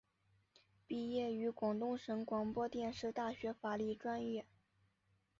毕业于广东省广播电视大学法律专业。